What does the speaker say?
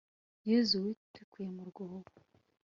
yezu, witikuye mu rwobo